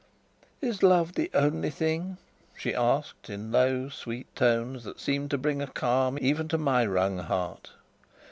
"Is love the only thing?" she asked, in low, sweet tones that seemed to bring a calm even to my wrung heart.